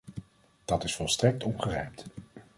Dat is volstrekt ongerijmd.